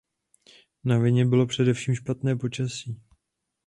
Na vině bylo především špatné počasí.